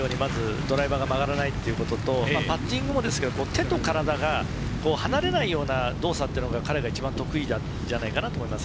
ドライバーが曲がらないことと、パッティングも手と体が離れないような動作が彼が一番得意じゃないかと思います。